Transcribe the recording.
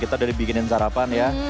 kita udah dibikinin sarapan ya